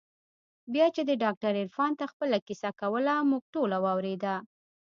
بيا چې دې ډاکتر عرفان ته خپله کيسه کوله موږ ټوله واورېده.